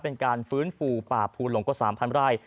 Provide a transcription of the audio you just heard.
เป็นการฟื้นฟูป่าภูหลงกว่า๓๐๐ไร่